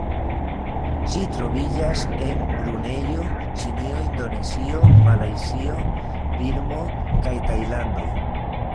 Ĝi troviĝas en Brunejo, Ĉinio, Indonezio, Malajzio, Birmo kaj Tajlando.